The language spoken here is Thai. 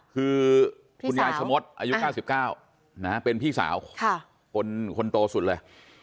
คือคุณยายชะมดอายุ๙๙เป็นพี่สาวคนโตสุดเลย